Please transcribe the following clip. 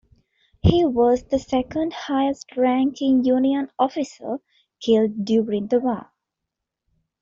He was the second highest ranking Union officer killed during the war.